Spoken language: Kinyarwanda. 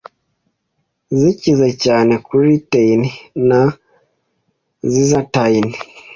zikize cyane kuri lutein na zeaxanthin